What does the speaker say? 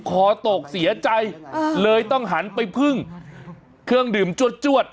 คอตกเสียใจเลยต้องหันไปพึ่งเครื่องดื่มจวด